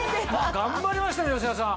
頑張りましたね吉田さん！